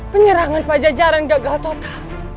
penyerangan pajajaran gagal total